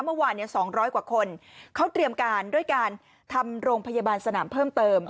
เมื่อวาน๒๐๐กว่าคนเขาเตรียมการด้วยการทำโรงพยาบาลสนามเพิ่มเติม